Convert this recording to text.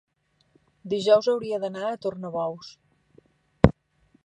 dijous hauria d'anar a Tornabous.